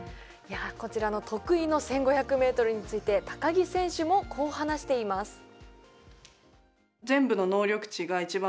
こちらの得意の１５００ｍについて木選手もこう話しています。